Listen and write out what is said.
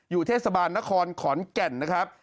เทศบาลนครขอนแก่นนะครับ